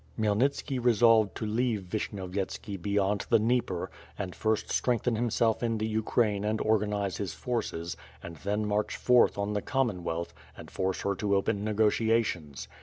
Khmyelnitski resolved to leave Vishnyovyetski beyond the Dnieper, and first strengthen himself in the Ukraine and organize his forces, and then march forth on the Common wealth, and force her to open negotiations.